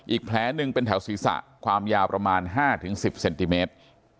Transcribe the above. อีกแผลหนึ่งเป็นแถวศีรษะความยาวประมาณ๕๑๐เซนติเมตร